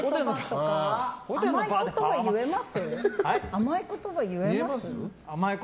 甘い言葉、言えます？